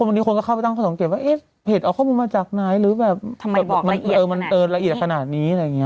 นึกออกแล้วเวลาเราเล่นเฟซบุ๊คอยู่หรืออะไรอย่างนี้